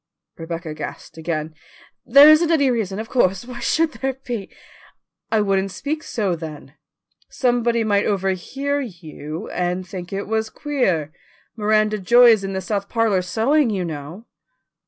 Rebecca gasped again. "There isn't any reason, of course. Why should there be?" "I wouldn't speak so, then. Somebody might overhear you and think it was queer. Miranda Joy is in the south parlour sewing, you know."